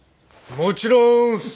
もちろんす。